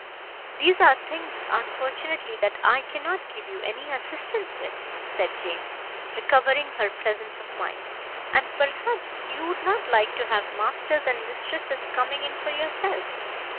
"These are things, unfortunately, that I cannot give you any assistance with," said Jane, recovering her presence of mind, "and perhaps you would not like to have masters and mistresses coming in for yourself.